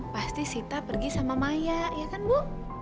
pasti sita pergi sama maya ya kan bu